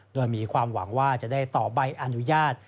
โดยมีความหวังว่าจะได้ต่อใบอนุญาต